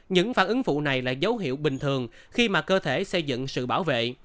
những phản ứng phụ này là dấu hiệu bình thường khi mà cơ thể xây dựng sự bảo vệ